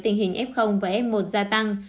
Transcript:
tình hình f và f một gia tăng